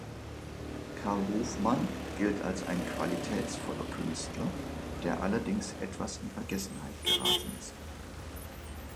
Karl Hofmann gilt als ein qualitätvoller Künstler, der allerdings etwas in Vergessenheit geraten ist.